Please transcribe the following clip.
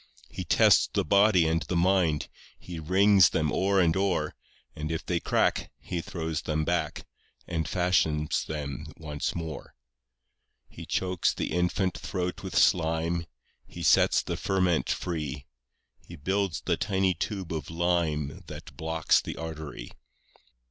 7 He tests the body and the mind, He rings them o'er and o'er; And if they crack, He throws them back, And fashions them once more. 8 He chokes the infant throat with slime, He sets the ferment free; He builds the tiny tube of lime That blocks the artery.